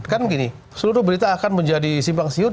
kan gini seluruh berita akan menjadi simpang siur